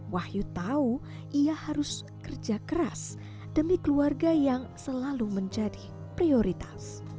wahyu tahu ia harus kerja keras demi keluarga yang selalu menjadi prioritas